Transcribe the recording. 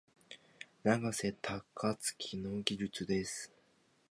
永瀬貴規の技術です。